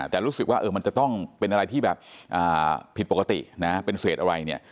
แต่รู้สึกว่ามันจะต้องเป็นอะไรที่แบบผิดปกตินะเป็นเศษอะไรเนี่ย